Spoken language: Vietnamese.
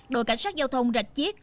đội cảnh sát giao thông rạch chiếc